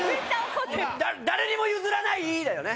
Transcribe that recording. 「誰にも譲らない」だよね。